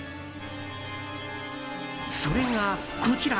それが、こちら。